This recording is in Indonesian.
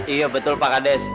iya betul pak kades